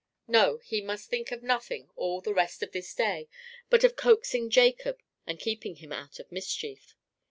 No! he must think of nothing all the rest of this day, but of coaxing Jacob and keeping him out of mischief.